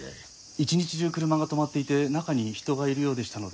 一日中車が止まっていて中に人がいるようでしたので一応。